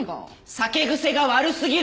酒癖が悪すぎる。